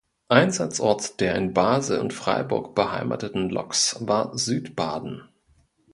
Einsatzort der in Basel und Freiburg beheimateten Loks war Südbaden.